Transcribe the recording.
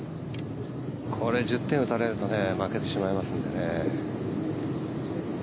これ１０点打たれると負けてしまいますのでね。